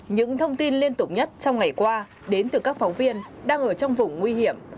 những thông tin liên tục nhất trong ngày qua đến từ các phóng viên đang ở trong vùng nguy hiểm